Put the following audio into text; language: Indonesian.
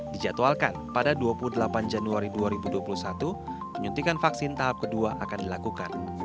dijadwalkan pada dua puluh delapan januari dua ribu dua puluh satu penyuntikan vaksin tahap kedua akan dilakukan